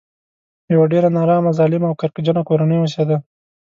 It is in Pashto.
یوه ډېره نارامه ظالمه او کرکجنه کورنۍ اوسېده.